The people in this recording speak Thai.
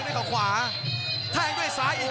กำปั้นขวาสายวัดระยะไปเรื่อย